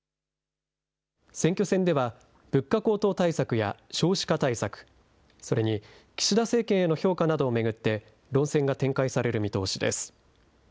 選挙戦では、物価高騰対策や少子化対策、それに岸田政権への評価などを巡って、論戦が展開される見通しです。